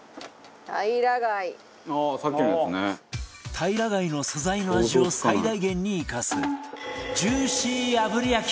たいら貝の素材の味を最大限に生かすジューシー炙り焼き！